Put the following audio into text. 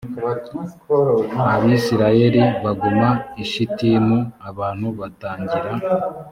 abisirayeli baguma i shitimu abantu batangira